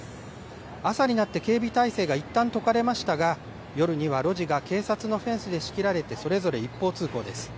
朝になって警備態勢がいったん解かれましたが、夜には路地が警察のフェンスで仕切られて、それぞれ一方通行です。